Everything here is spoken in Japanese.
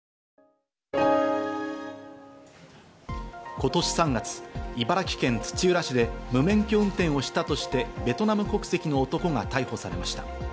今年３月、茨城県土浦市で無免許運転をしたとして、ベトナム国籍の男が逮捕されました。